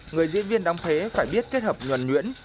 người diễn viên đóng thuế phải biết kết hợp nhuẩn nhuyễn